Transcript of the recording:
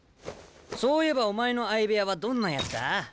そういえばお前の相部屋はどんなやつだ？